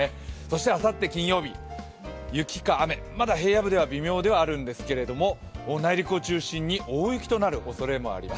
あさって金曜日、雪か雨、まだ平野部では微妙ではあるんですけど内陸を中心に大雪となる恐れもあります。